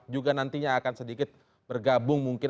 juga nantinya akan sedikit bergabung mungkin